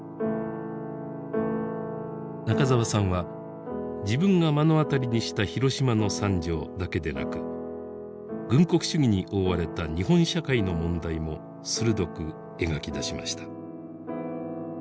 中沢さんは自分が目の当たりにした広島の惨状だけでなく軍国主義に覆われた日本社会の問題も鋭く描き出しました。